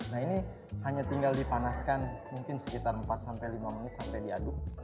nah ini hanya tinggal dipanaskan mungkin sekitar empat sampai lima menit sampai diaduk